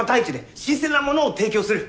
新鮮なものを提供する。